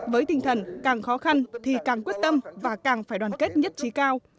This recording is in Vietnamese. với tinh thần càng khó khăn thì càng quyết tâm và càng phải đoàn kết nhất trí cao